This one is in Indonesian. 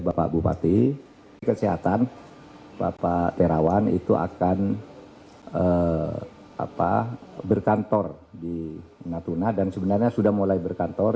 bapak bupati kesehatan bapak terawan itu akan berkantor di natuna dan sebenarnya sudah mulai berkantor